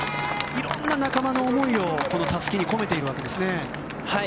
色んな仲間の思いをたすきに込めているわけですね。